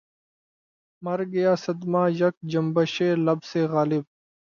مرگیا صدمہٴ یک جنبشِ لب سے غالب